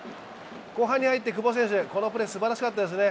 後半に入って久保選手、このプレーすばらしかったですね。